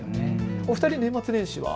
お二人は年末年始は？